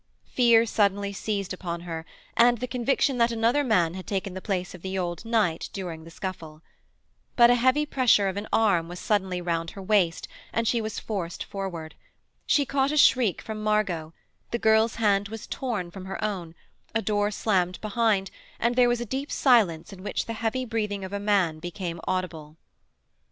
Fear suddenly seized upon her, and the conviction that another man had taken the place of the old knight during the scuffle. But a heavy pressure of an arm was suddenly round her waist, and she was forced forward. She caught a shriek from Margot; the girl's hand was torn from her own; a door slammed behind, and there was a deep silence in which the heavy breathing of a man became audible.